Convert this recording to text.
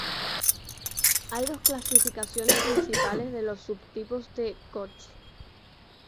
Hay dos clasificaciones principales de los subtipos de koch.